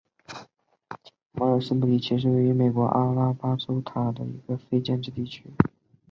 摩尔斯布里奇是位于美国阿拉巴马州塔斯卡卢萨县的一个非建制地区。